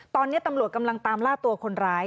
ตอนนี้ตำรวจกำลังตามล่าตัวคนร้าย